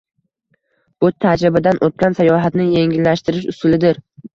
Bu tajribadan o‘tgan sayohatni yengillashtish usulidir.